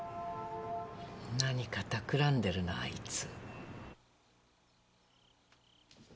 何か企んでるなあいつ。